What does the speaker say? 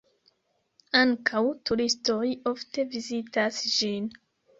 Ankaŭ turistoj ofte vizitas ĝin.